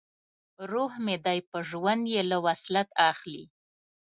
روح مې دی چې ژوند یې له وصلت اخلي